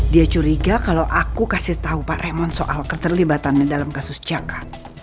dia curiga kalau aku kasih tau pak raymond soal keterlibatannya dalam kasus caka